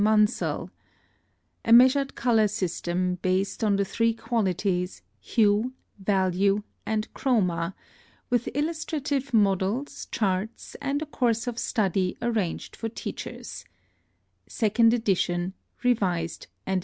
MUNSELL A MEASURED COLOR SYSTEM, BASED ON THE THREE QUALITIES Hue, Value, and Chroma with Illustrative Models, Charts, and a Course of Study Arranged for Teachers 2nd Edition Revised & Enlarged GEO.